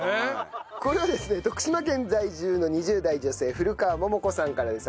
これはですね徳島県在住の２０代女性古川桃子さんからです。